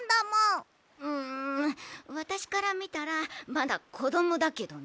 んわたしからみたらまだこどもだけどね。